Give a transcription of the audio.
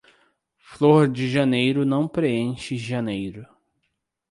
Flor de janeiro não preenche janeiro.